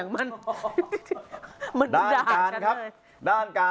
มันด่าจังอ้ะ